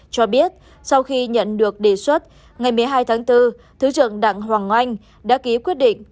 cho biết sau khi nhận được đề xuất ngày một mươi hai tháng bốn thứ trưởng đặng hoàng anh đã ký quyết định